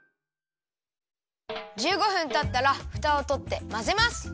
１５分たったらフタをとってまぜます。